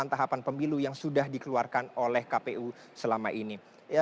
tahapan pemilu yang sudah dikeluarkan oleh kpu selama ini